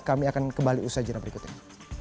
kami akan kembali usai jena berikutnya